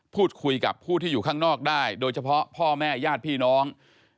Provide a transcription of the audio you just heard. พูดคุยกับผู้ที่อยู่ข้างนอกได้โดยเฉพาะพ่อแม่ญาติพี่น้อง